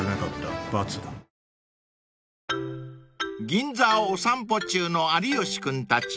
［銀座をお散歩中の有吉君たち。